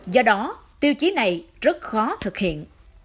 do đó tiêu chí này rất khó thực hiện